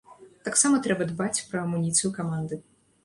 Таксама трэба дбаць пра амуніцыю каманды.